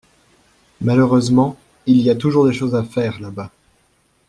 Malheureusement, il y a toujours des choses à faire là-bas.